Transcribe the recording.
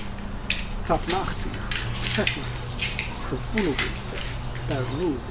Tap na ach'ti (Tefnacht), of Pu nu bu (Per nub).